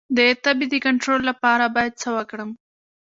د تبې د کنټرول لپاره باید څه وکړم؟